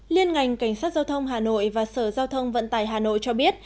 liên ngành cảnh sát giao thông hà nội và sở giao thông vận tải hà nội cho biết